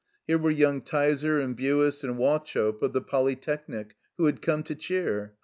Here were young Tyser and Buist and Wauchope of the Poljrtechnic, who had come to cheer.